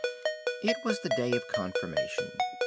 It was the day of confirmation.